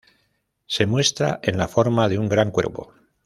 Se muestra en la forma de un gran cuervo.